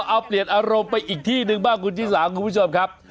เอาเปลี่ยนอารมณ์ไปอีกที่หนึ่งบ้างคุณชิสาคุณผู้ชมครับ